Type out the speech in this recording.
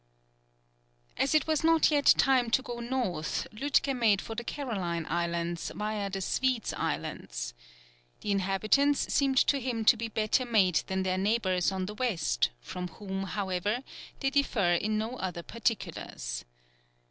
As it was not yet time to go north, Lütke made for the Caroline Islands, viâ the Swedes Islands. The inhabitants seemed to him to be better made than their neighbours on the west, from whom, however, they differ in no other particulars.